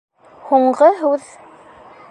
Һуңғы һүҙ